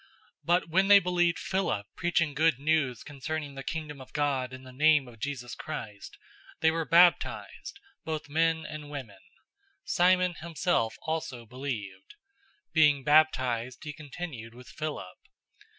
008:012 But when they believed Philip preaching good news concerning the Kingdom of God and the name of Jesus Christ, they were baptized, both men and women. 008:013 Simon himself also believed. Being baptized, he continued with Philip.